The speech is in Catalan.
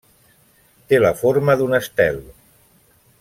Té la forma d'un estel.